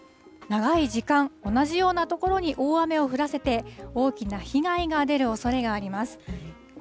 長い時間、同じような所に大雨を降らせて、大きな被害が出るおそれがあります。